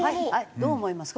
どう思いますか？